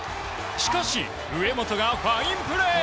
しかし、上本がファインプレー。